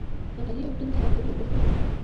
د غالۍ اوبدلو صنعت د ډیرو کورنیو رزق دی۔